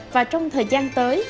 và trong thời gian tới